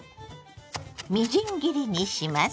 みじん切りにします。